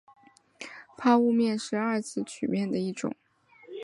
抛物面是二次曲面的一种。